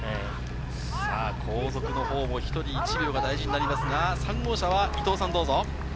後続の方も１人１秒が大事になりますが、３号車は伊藤さん、どうぞ。